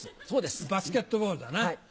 バスケットボールだな。